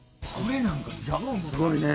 すごいね。